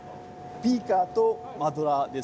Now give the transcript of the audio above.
ビーカーとマドラーです。